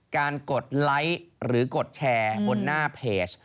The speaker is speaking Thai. กดไลค์หรือกดแชร์บนหน้าเพจ